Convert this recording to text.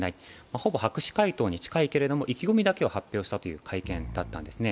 ほぼ白紙回答に近いけれども、意気込みだけは発表したという会見だったんですね。